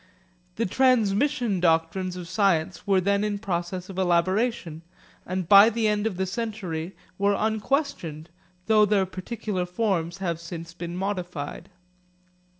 The transmission doctrines of science were then in process of elaboration and by the end of the century were unquestioned, though their particular forms have since been modified.